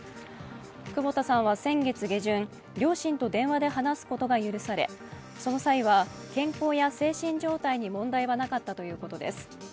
久保田さんは先月下旬、両親と電話で話すことが許されその際は健康や精神状態にはなかったということです。